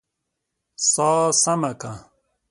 سا سمه که!